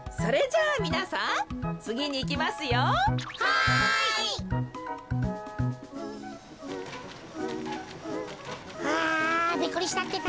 あびっくりしたってか。